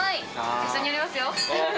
一緒にやりますよ。